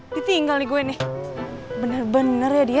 ditinggal di gue nih bener bener ya dia